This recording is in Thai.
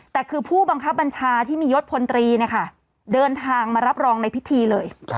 แต่คือผู้บังคับบัญชาที่มียศพลตรีเดินทางมารับรองในพิธีเลย